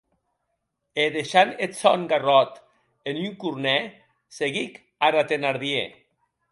E, deishant eth sòn garròt en un cornèr, seguic ara Thenardier.